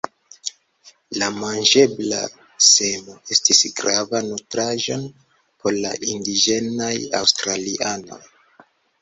La manĝebla semo estis grava nutraĵon por la indiĝenaj aŭstralianoj.